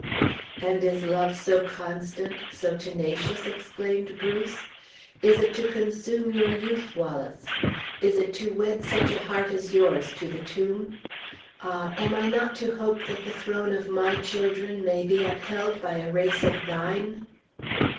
"And is love so constant, so tenacious?" exclaimed Bruce; "is it to consume your youth, Wallace? Is it to wed such a heart as yours to the tomb? Ah! am I not to hope that the throne of my children may be upheld by a race of thine?"